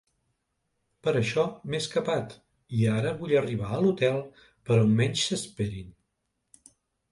Per això m'he escapat i ara vull arribar a l'hotel per on menys s'esperin.